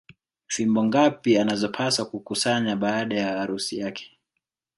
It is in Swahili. Fimbo ngapi anazopaswa kukusanya baada ya harusi yake